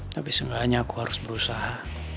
tapi sebenarnya aku harus berusaha